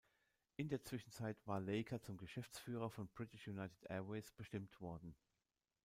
In der Zwischenzeit war Laker zum Geschäftsführer von British United Airways bestimmt worden.